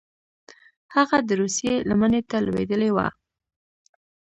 هغه د روسیې لمنې ته لوېدلي وه.